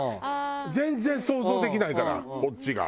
全然想像できないからこっちが。